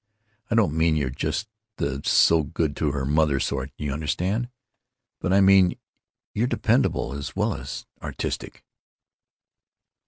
I don't mean you're just the 'so good to her mother' sort, you understand. But I mean you're dependable as well as artistic."